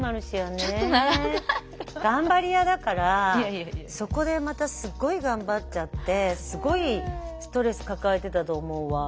頑張り屋だからそこでまたすごい頑張っちゃってすごいストレス抱えてたと思うわ。